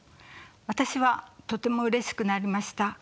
私はとてもうれしくなりました。